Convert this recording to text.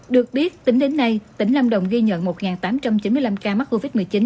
được biết tính đến nay tỉnh lâm đồng ghi nhận một tám trăm chín mươi năm ca mắc covid một mươi chín